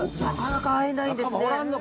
なかなか会えないんですね。